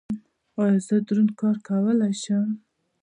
ایا زه دروند کار کولی شم؟